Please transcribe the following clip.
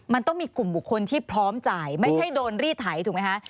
มันต้องมีกลุ่มบุคคลที่พร้อมจ่ายไม่ใช่โดนรีดไถถูกไหมคะ